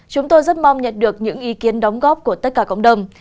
chúng tôi rất mong nhận được những ý kiến đóng góp của tất cả cộng đồng